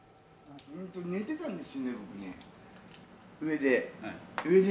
寝てたんですよね、上で。